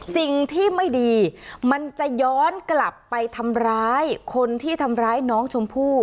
สิ่งที่ไม่ดีมันจะย้อนกลับไปทำร้ายคนที่ทำร้ายน้องชมพู่